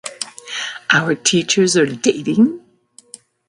Our Teachers Are Dating!